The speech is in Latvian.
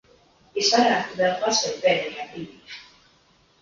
Es varētu vēl paspēt pēdējā brīdī.